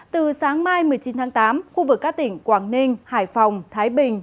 từ sáng mai một mươi chín tháng tám khu vực các tỉnh quảng ninh hải phòng thái bình